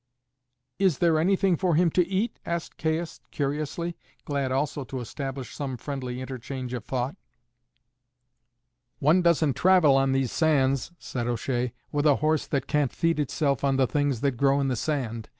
"Is there anything for him to eat?" asked Caius curiously, glad also to establish some friendly interchange of thought. "One doesn't travel on these sands," said O'Shea, "with a horse that can't feed itself on the things that grow in the sand.